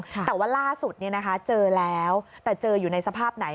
แต่ว่าล่าสุดเจอแล้วแต่เจออยู่ในสภาพไหน